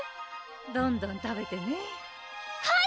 どんどん食べてねはい！